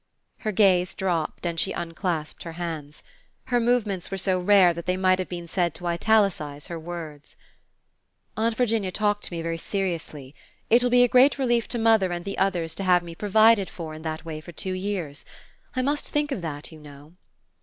Her gaze dropped and she unclasped her hands. Her movements were so rare that they might have been said to italicize her words. "Aunt Virginia talked to me very seriously. It will be a great relief to mother and the others to have me provided for in that way for two years. I must think of that, you know."